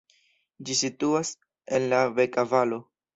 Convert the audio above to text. Ĝi situas en la Beka-valo.